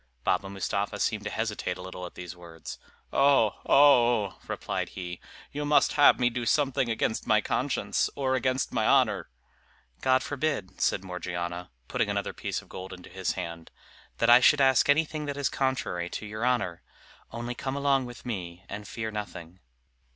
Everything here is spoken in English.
Baba Mustapha seemed to hesitate a little at these words. "Oh! oh!" replied he, "you must have me do something against my conscience, or against my honor?" "God forbid," said Morgiana, putting another piece of gold into his hand, "that I should ask anything that is contrary to your honor! only come along with me and fear nothing."